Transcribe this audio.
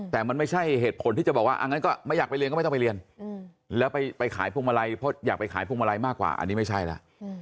แต่มันไม่ใช่เหตุผลที่จะบอกว่างั้นก็ไม่อยากไปเรียนก็ไม่ต้องไปเรียนแล้วไปขายพวงมาลัยเพราะอยากไปขายพวงมาลัยมากกว่าอันนี้ไม่ใช่แล้ว